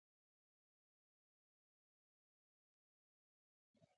ګڼ اړخيزه مشاهده کوئ -